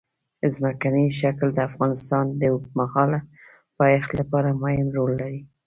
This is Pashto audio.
ځمکنی شکل د افغانستان د اوږدمهاله پایښت لپاره مهم رول لري.